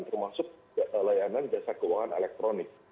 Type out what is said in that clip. termasuk layanan jasa keuangan elektronik